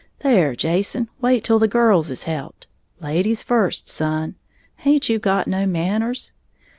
There, Jason, wait till the girls is helped, ladies first, son, haint you got no manners?